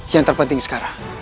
yang terpenting sekarang